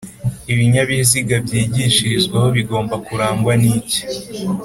ibinyabiziga byigishirizwaho bigomba kurangwa n' iki?